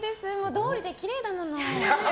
どうりで、きれいだもの。